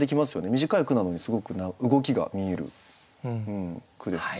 短い句なのにすごく動きが見える句です。